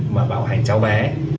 mà bạo hành cháu bé